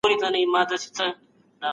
یو ډول خواړه کافي نه دي.